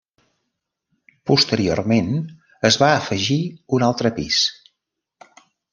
Posteriorment es va afegir un altre pis.